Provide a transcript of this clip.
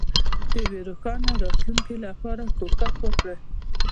د یوې روښانه راتلونکې لپاره کوښښ وکړئ.